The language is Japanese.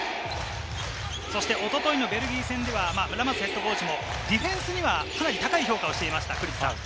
一昨日のベルギー戦ではラマスヘッドコーチもディフェンスにはかなり高い評価をしていました。